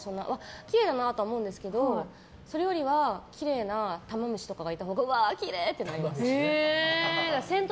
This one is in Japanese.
きれいだなとは思いますけどそれよりは、きれいなタマムシとかがいたほうがうわー、きれいってなります。